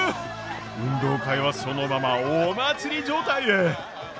運動会はそのままお祭り状態へ。